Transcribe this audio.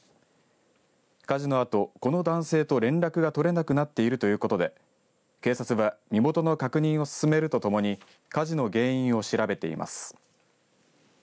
火事のあと、この男性と連絡が取れなくなっているということで警察は身元の確認を進めるとともに火事の原因を調べています。